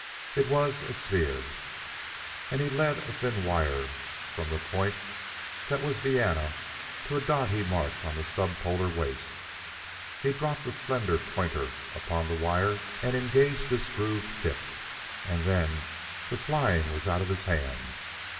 It was a sphere, and he led a thin wire from the point that was Vienna to a dot that he marked on the sub polar waste. He dropped a slender pointer upon the wire and engaged its grooved tip, and then the flying was out of his hands.